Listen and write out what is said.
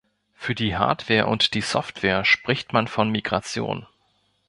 Für die Hardware und die Software spricht man von Migration.